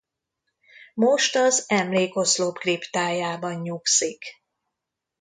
Most az emlékoszlop kriptájában nyugszik.